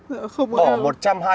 dạ không ạ